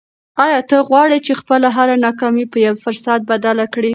آیا ته غواړې چې خپله هره ناکامي په یو فرصت بدله کړې؟